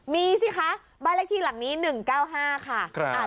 มีสิคะบ้านเลขที่หลังนี้๑๙๕ค่ะ